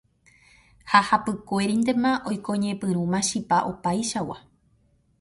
ha hapykuérintema oikóñepyrũma chipa opaichagua